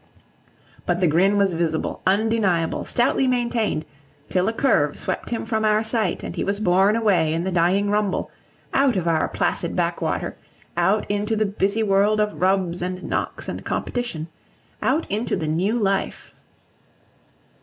But the grin was visible, undeniable, stoutly maintained; till a curve swept him from our sight, and he was borne away in the dying rumble, out of our placid backwater, out into the busy world of rubs and knocks and competition, out into the New Life.